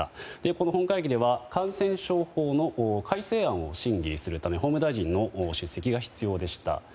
この本会議では感染症法の改正案を審議するため法務大臣の出席が必要でした。